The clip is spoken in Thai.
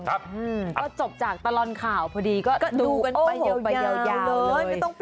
ก็จบจากตลอดข่าวพอดีก็ดูกันไปยาวเลย